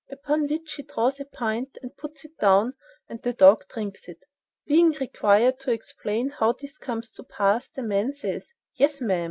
Upon which he draws a pint and puts it down and the dog drinks it. Being required to explain how this comes to pass the man says: "Yes, ma'am.